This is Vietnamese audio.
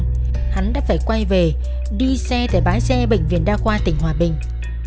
tại đây bán nhẫn không xong hắn đã phải quay về đi xe tại bãi xe bệnh viện đa khoa tỉnh hòa bình